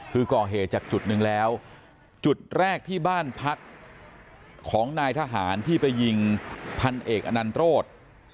คือก่อเหตุจากจุดหนึ่งแล้วจุดแรกที่บ้านพักของนายทหารที่ไปยิงพันเอกอนันโรธ